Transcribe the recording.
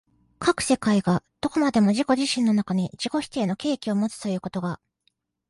斯く世界がどこまでも自己自身の中に自己否定の契機をもつということが、